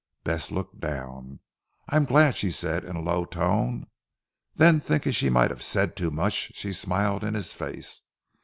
Bess looked down. "I am glad," she said in a low tone; then thinking she might have said too much she smiled in his face.